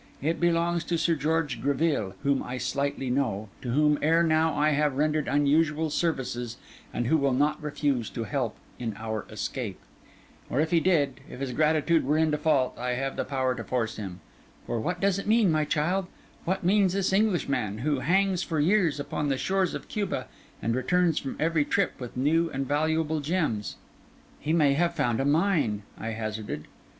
It belongs to Sir George Greville, whom I slightly know, to whom ere now I have rendered unusual services, and who will not refuse to help in our escape. Or if he did, if his gratitude were in default, I have the power to force him. For what does it mean, my child—what means this Englishman, who hangs for years upon the shores of Cuba, and returns from every trip with new and valuable gems?' 'He may have found a mine,' I hazarded.